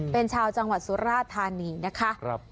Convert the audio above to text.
เป็นชาวจังหวัดสุราธานีนะคะ